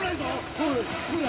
おいこら！